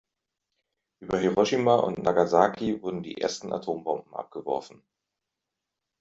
Über Hiroshima und Nagasaki wurden die ersten Atombomben abgeworfen.